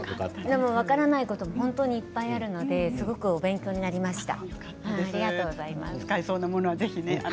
分からないこと本当にいっぱいあるのですごく勉強になりました。